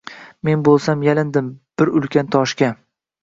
Men bo’lsam yalindim bir ulkan toshga: